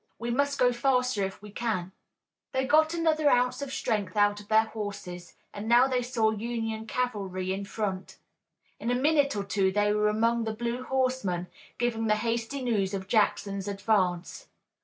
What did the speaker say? We must go faster if we can." They got another ounce of strength out of their horses, and now they saw Union cavalry in front. In a minute or two they were among the blue horsemen, giving the hasty news of Jackson's advance.